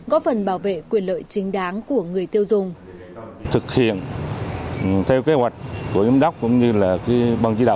góp phần bảo vệ quyền lợi chính đáng của người tiêu dùng